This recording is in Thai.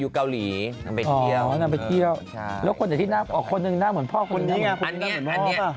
อยู่เกาหลีนำไปเตี้ยว